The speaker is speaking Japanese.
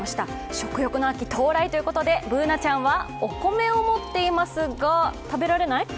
食欲の秋到来ということで、Ｂｏｏｎａちゃんはお米を持っていますが、食べられない？